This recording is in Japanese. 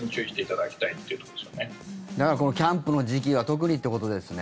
だから、キャンプの時期は特にってことですね。